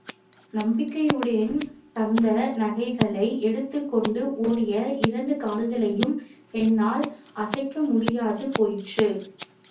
நம்பிக்கையுடன் தந்த நகைகளை எடுத்துக் கொண்டு ஓடிய இரண்டு கால்களையும் என்னால் அசைக்க முடியாது போயிற்று.